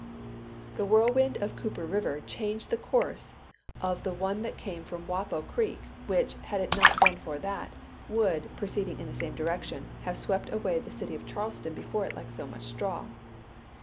The whirlwind of Cooper River changed the course of the one that came from Wappo Creek, which, had it not been for that, would, proceeding in the same direction, have swept away the city of Charleston before it like so much straw.